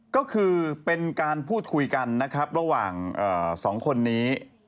ก็คือเป็นการพูดคุยกันนะครับระหว่าง๒คนนี้